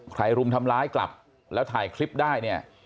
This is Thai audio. ใครรุมทำร้ายกลับแล้วถ่ายคลิปได้